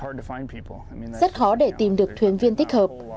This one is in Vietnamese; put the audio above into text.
rất khó để tìm được thuyền viên thích hợp